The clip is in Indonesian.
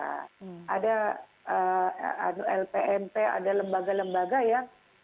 ada lpnp ada lembaga lembaga ya